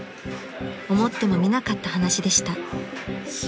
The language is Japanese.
［思ってもみなかった話でした］